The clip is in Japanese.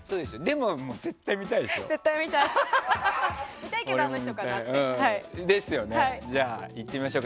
でも、絶対見たいでしょ。